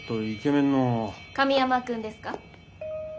神山くんですか？